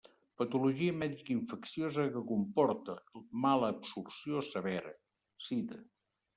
Patologia mèdica infecciosa que comporta malabsorció severa: sida.